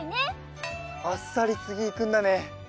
あっさりつぎいくんだね。